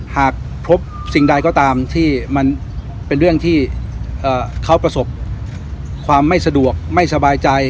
หากพบสิ่งใดก็ตามที่มันเป็นเรื่องที่เขาประสบความไม่สะดวกไม่สบายใจ